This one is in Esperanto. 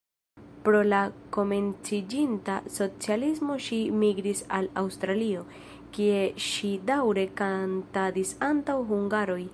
Pro la komenciĝinta socialismo ŝi migris al Aŭstralio, kie ŝi daŭre kantadis antaŭ hungaroj.